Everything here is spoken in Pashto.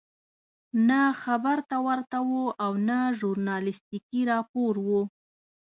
نه خبر ته ورته وو او نه ژورنالستیکي راپور وو.